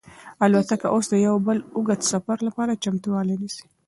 الوتکه اوس د یو بل اوږد سفر لپاره چمتووالی نیسي.